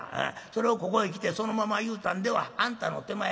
それをここへ来てそのまま言うたんではあんたの手前